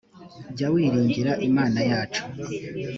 jya wiringira imana yacu.